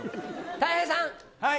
たい平さん。